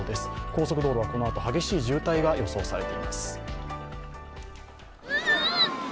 高速道路はこのあと、激しい渋滞が予想されています。